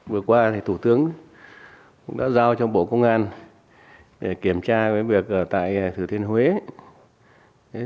vừa qua thủ tướng đã giao cho bộ công an kiểm tra với việc ở tại thứ thiên huế